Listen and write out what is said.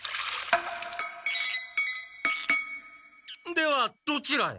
ではどちらへ？